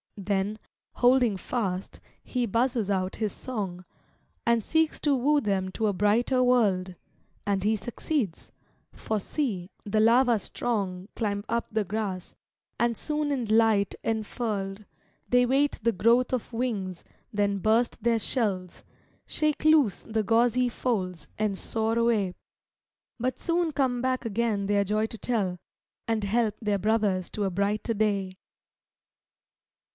Then, holding fast, he buzzes out his song, And seeks to woo them to a brighter world. And he succeeds; for see, the larva strong Climb up the grass, and soon in light enfurled, They wait the growth of wings, then burst their shells, Shake loose the gauzy folds, and soar away; But soon come back again their joy to tell, And help their brothers to a brighter day.